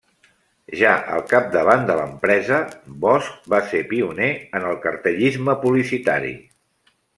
Ja al capdavant de l'empresa, Bosch va ser pioner en el cartellisme publicitari.